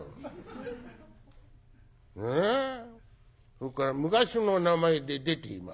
それから『昔の名前で出ています』。